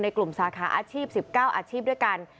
กลุ่มสาขาอาชีพ๑๙อาชีพด้วยกัน